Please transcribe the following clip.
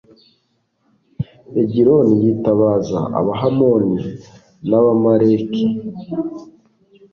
egiloni yitabaza abahamoni n'abamaleki